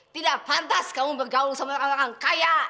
tidak pantas kamu bergaul sama orang orang kaya